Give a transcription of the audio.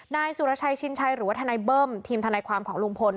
นายสุรชัยชินชัยหรือว่าทนายเบิ้มทีมทนายความของลุงพล